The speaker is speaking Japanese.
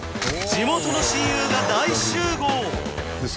地元の親友が大集合！